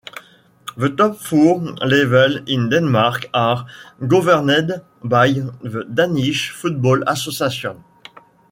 The top four levels in Denmark are governed by the Danish Football Association.